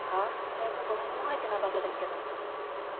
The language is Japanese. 冷蔵庫何も入ってなかったですけど。